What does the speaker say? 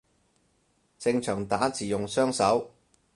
正常打字用雙手